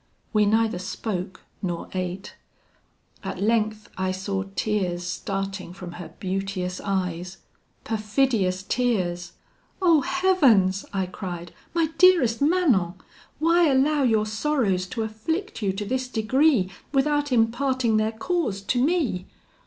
We neither spoke nor ate. At length I saw tears starting from her beauteous eyes perfidious tears! 'Oh heavens!' I cried, 'my dearest Manon, why allow your sorrows to afflict you to this degree without imparting their cause to me?'